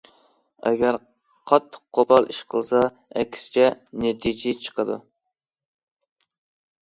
ئەگەر قاتتىق، قوپال ئىش قىلسا، ئەكسىچە نەتىجە چىقىدۇ.